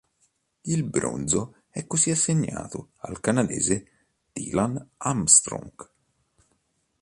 Il bronzo è così assegnato al canadese Dylan Armstrong.